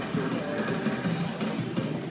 เตรียม